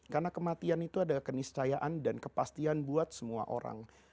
karena kematian itu adalah keniscayaan dan kepastian buat semua orang